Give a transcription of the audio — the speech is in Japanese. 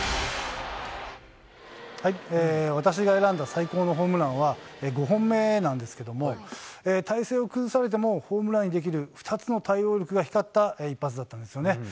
私が選んだ最高のホームランは、５本目なんですけれども、体勢を崩されてもホームランにできる２つの対応力が光った一発だったんですよね。